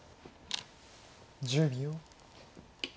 １０秒。